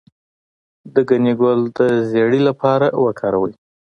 د ګنی ګل د زیړي لپاره وکاروئ